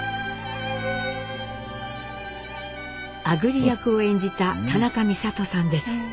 あぐり役を演じた田中美里さんです。